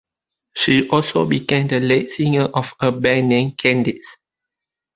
She also became the lead singer of a band named Kendix.